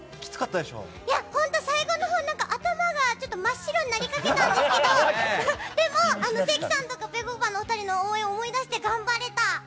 最後のほう、頭が真っ白になりかけたんですけどでも、関さんとか、ぺこぱのお二人の応援を思い出して頑張れた！